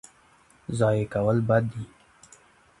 ضایع کول بد دی.